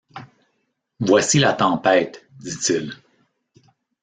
Voici la tempête, dit-il.